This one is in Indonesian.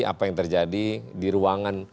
apa yang terjadi di ruangan